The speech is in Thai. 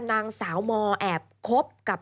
นางสาวมแอบคบกับ